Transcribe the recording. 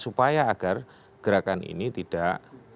supaya agar gerakan ini tidak